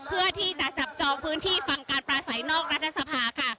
เพื่อที่จะจับจองพื้นที่ฟังการปราศัยนอกรัฐสภาค่ะ